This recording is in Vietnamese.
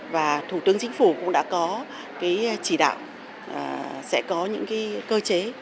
và thủ tướng chính phủ cũng đã có chỉ đạo sẽ có những cơ chế